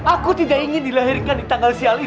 aku tidak ingin dilahirkan di tanggal sial ini